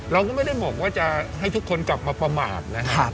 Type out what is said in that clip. เราก็ไม่ได้บอกว่าจะให้ทุกคนกลับมาประมาทนะ